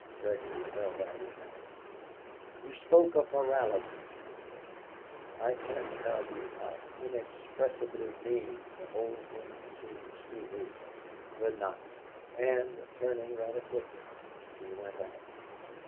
Gregory held out his hand. "You spoke of morality," he said. "I can't tell you how inexpressibly mean the whole thing seems to me. Goodnight." And, turning rather quickly, he went out.